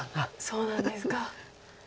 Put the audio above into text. そうなんですか。